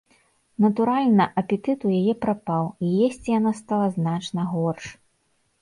Натуральна, апетыт у яе прапаў, есці яна стала значна горш.